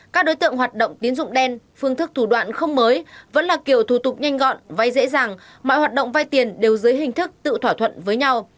các đối tượng hoạt động tín dụng đen phương thức thủ đoạn không mới vẫn là kiểu thủ tục nhanh gọn vay dễ dàng mọi hoạt động vay tiền đều dưới hình thức tự thỏa thuận với nhau